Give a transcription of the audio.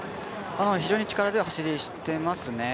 非常に力強い走りしてますね。